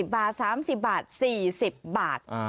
บาท๓๐บาท๔๐บาท